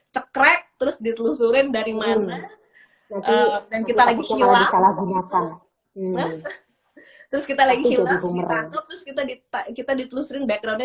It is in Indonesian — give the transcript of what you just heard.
cekrek terus ditelusuri dari mana dan kita lagi hilang terus kita lagi hilang kita ditelusuri backgroundnya